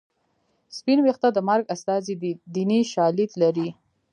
سپین ویښته د مرګ استازی دی دیني شالید لري